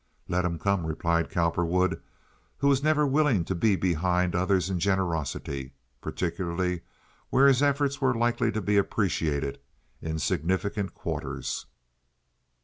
"Let him come," replied Cowperwood, who was never willing to be behind others in generosity, particularly where his efforts were likely to be appreciated in significant quarters.